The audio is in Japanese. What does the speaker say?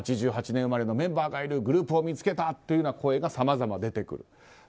８８年生まれのメンバーがいるグループを見つけた！という声がさまざまな出てくると。